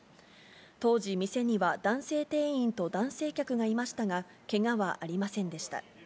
当時、店には男性店員と男性客がいましたが、けがはありませんでした。